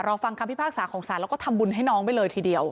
ฟังคำพิพากษาของศาลแล้วก็ทำบุญให้น้องไปเลยทีเดียว